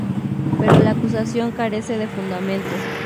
Pero la acusación carece de fundamento.